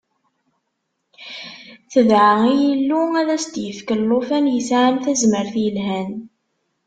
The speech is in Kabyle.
Tedɛa i Yillu ad as-d-yefk llufan yesɛan tazmert yelhan.